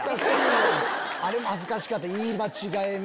あれも恥ずかしかった。